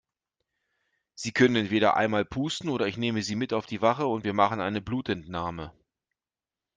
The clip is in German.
Sie können entweder einmal pusten oder ich nehme Sie mit auf die Wache und wir machen eine Blutentnahme.